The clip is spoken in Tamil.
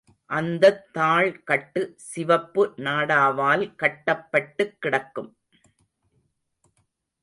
அந்தத் தாள்கட்டு சிவப்பு நாடா வால் கட்டப்பட்டுக் கிடக்கும்.